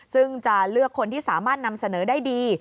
ซึ่งจะเลือกคนที่สามารถนำเสนอได้ดี